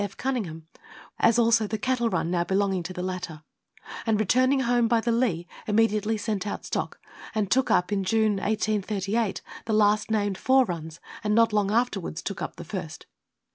F. Cunningham, as also the cattle run now belonging to the latter, and returning home by the Leigh immediately sent out stock, and took up in June 1838 the last named four runs, and not long afterwards took up the first.